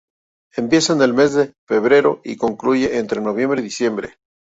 Empieza en el mes de febrero y concluye entre noviembre y diciembre.